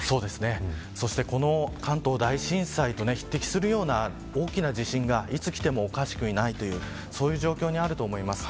この関東大震災と匹敵するような大きな地震がいつ来てもおかしくないというそういう状況にあると思います。